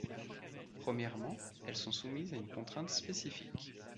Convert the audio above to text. Premièrement, elles sont soumises à une contrainte spécifique.